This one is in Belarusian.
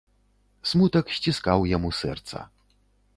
Смутак сціскаў яму сэрца.